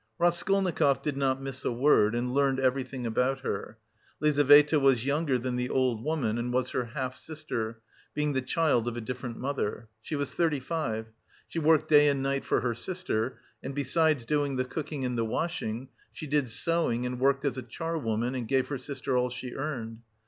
Raskolnikov did not miss a word and learned everything about her. Lizaveta was younger than the old woman and was her half sister, being the child of a different mother. She was thirty five. She worked day and night for her sister, and besides doing the cooking and the washing, she did sewing and worked as a charwoman and gave her sister all she earned.